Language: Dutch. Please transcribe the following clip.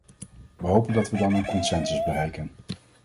We hopen dat we dan een consensus bereiken.